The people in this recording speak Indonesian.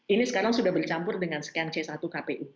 ini sekarang sudah bercampur dengan scan c satu kpu